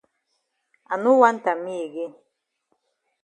I no want am me again.